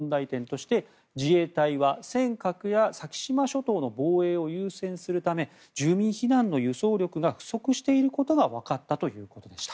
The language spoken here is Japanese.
更に、日経新聞によりますとこの演習から見えた問題点として自衛隊は尖閣や先島諸島の防衛を優先するため住民避難の輸送力が不足していることがわかったということでした。